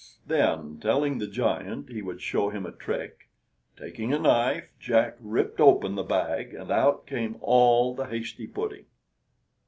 Then, telling the giant he would show him a trick, taking a knife, Jack ripped open the bag, and out came all the hasty pudding.